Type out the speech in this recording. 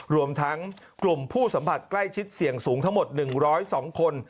รวมทั้งกลุ่มผู้สัมผัสใกล้ชิดเสี่ยงสูงทั้งหมด๑๐๒คน